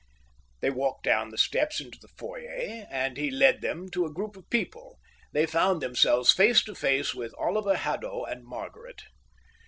They walked down the steps into the foyer, and he led them to a group of people. They found themselves face to face with Oliver Haddo and Margaret.